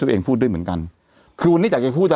แต่หนูจะเอากับน้องเขามาแต่ว่า